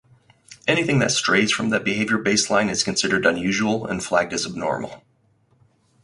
Anything that strays from that behavior baseline is considered unusual and flagged as abnormal.